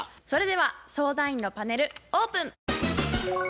それでは相談員のパネルオープン。